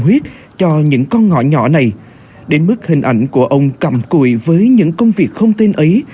huyết cho những con ngõ nhỏ này đến mức hình ảnh của ông cằm cùi với những công việc không tên ấy